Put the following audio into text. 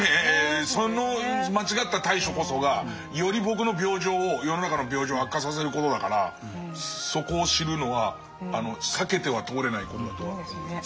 その間違った対処こそがより僕の病状を世の中の病状を悪化させることだからそこを知るのは避けては通れないことだとは思います。